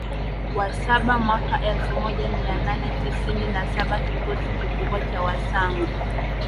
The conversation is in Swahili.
wa saba mwaka elfu moja mia nane tisini na saba kikosi kikubwa cha Wasangu